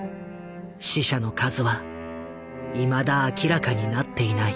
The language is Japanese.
死者の数はいまだ明らかになっていない。